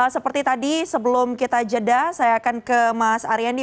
seperti tadi sebelum kita jeda saya akan ke mas aryandi